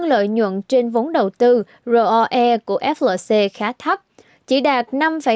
lợi nhuận trên vốn đầu tư roche của flc khá thấp chỉ đạt năm bảy mươi hai